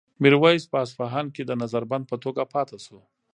میرویس په اصفهان کې د نظر بند په توګه پاتې شو.